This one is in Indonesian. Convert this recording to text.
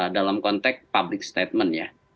dalam konteks public statement ya